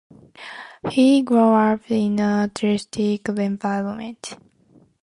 He grew up in an artistic environment.